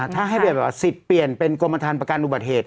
ถ้าให้สิทธิ์เปลี่ยนเป็นกรมฐานประกันอุบัติเหตุ